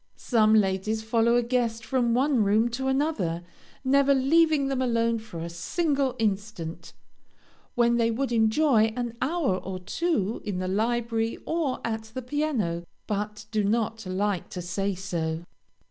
Some ladies follow a guest from one room to another, never leaving them alone for a single instant, when they would enjoy an hour or two in the library or at the piano, but do not like to say so.